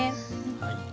はい。